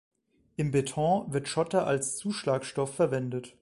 Im Beton wird Schotter als Zuschlagstoff verwendet.